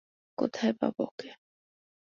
কোথায় পাব ওকে?